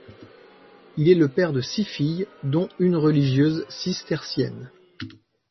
Il est le père de six filles, dont une religieuse cistercienne.